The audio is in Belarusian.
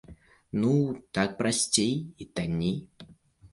Ну, так прасцей і танней.